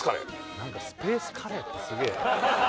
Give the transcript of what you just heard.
何かスペースカレーってすげえ何？